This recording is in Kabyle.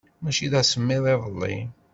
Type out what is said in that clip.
Maci d asemmiḍ iḍelli.